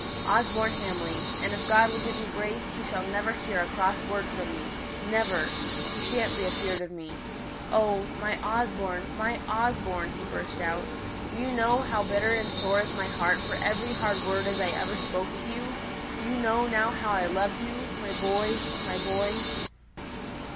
Osborne Hamley! And if God will give me grace, he shall never hear a cross word from me never! He shan't be afeard of me. Oh, my Osborne, my Osborne" (he burst out), "do you know now how bitter and sore is my heart for every hard word as I ever spoke to you? Do you know now how I loved you my boy my boy?"